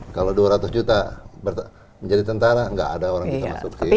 kalau dua ratus juta menjadi tentara tidak ada orang yang bisa masuk ke sini